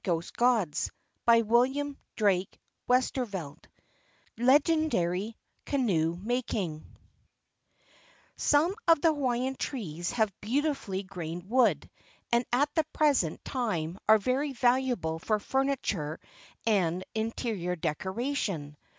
FROM A TARO PATCH LEGENDARY CANOE MAKING 2 9 V LEGENDARY CANOE MAKING »|OME of the Hawaiian trees have beauti¬ fully grained wood, and at the present time are very valuable for furniture and interior decoration.